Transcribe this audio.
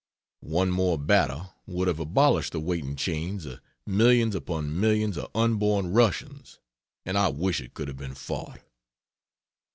One more battle would have abolished the waiting chains of millions upon millions of unborn Russians and I wish it could have been fought."